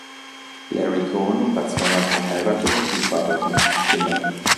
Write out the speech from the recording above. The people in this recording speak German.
Larry Cohen war zweimal verheiratet und Vater von fünf Kindern.